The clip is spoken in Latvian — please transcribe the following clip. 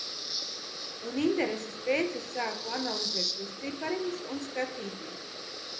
Un intereses pēc es sāku analizēt šos cipariņus un skatīties.